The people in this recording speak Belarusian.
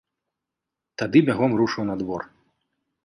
Тады бягом рушыў на двор.